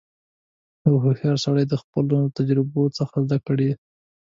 • یو هوښیار سړی د خپلو تجربو څخه زدهکړه کوي.